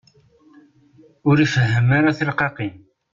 Ur ifehhem ara tirqaqin.